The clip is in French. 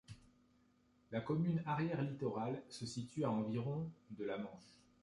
La commune arrière-littorale se situe à environ de la Manche.